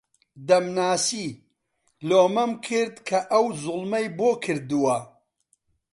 دەمناسی، لۆمەم کرد کە ئەو زوڵمەی بۆ کردووە